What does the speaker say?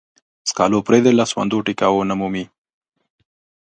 سکالو پردې لاسوندو ټيکاو نه مومي.